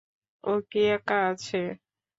ও কী একা আছে?